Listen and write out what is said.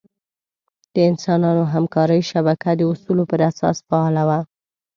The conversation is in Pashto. د انسانانو همکارۍ شبکه د اصولو پر اساس فعاله وه.